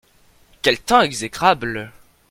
Quel temps exécrable !